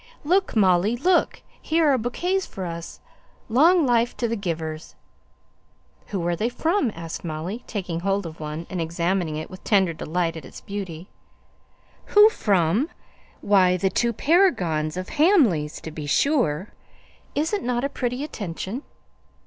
"Look, Molly, look! Here are bouquets for us! Long life to the givers!" "Who are they from?" asked Molly, taking hold of one, and examining it with tender delight at its beauty. "Who from? Why, the two paragons of Hamleys, to be sure. Is it not a pretty attention?"